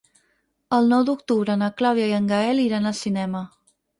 El nou d'octubre na Clàudia i en Gaël iran al cinema.